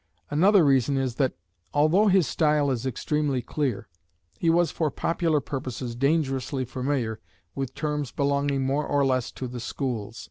Another reason is, that, although his style is extremely clear, he was for popular purposes dangerously familiar with terms belonging more or less to the schools.